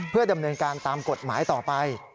เพื่อดำเนินการตามกฎหมายต่อไป